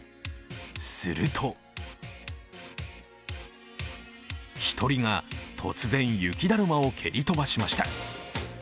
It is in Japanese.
すると１人が突然、雪だるまを蹴り飛ばしました。